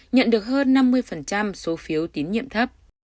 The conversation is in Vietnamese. nhận được hơn năm mươi số phiếu tín nhiệm thấp